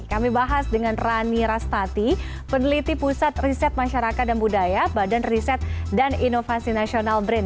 kami bahas dengan rani rastati peneliti pusat riset masyarakat dan budaya badan riset dan inovasi nasional brin